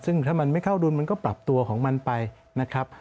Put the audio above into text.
ซึ่งถ้ามันไม่เข้าดุลมันก็ปรับตัวของมันไปนะครับ